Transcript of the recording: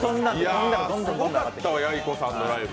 すごかったわヤイコさんのライブ。